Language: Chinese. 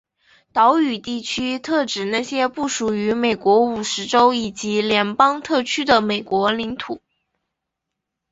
岛屿地区特指那些其不属于美国五十州以及联邦特区的美国领土。